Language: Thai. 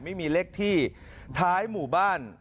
ไม่มีเลขที่ท้ายหมู่บ้าน